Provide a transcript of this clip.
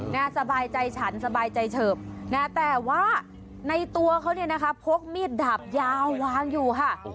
สบายใจฉันสบายใจเฉิบนะแต่ว่าในตัวเขาเนี่ยนะคะพกมีดดาบยาววางอยู่ค่ะ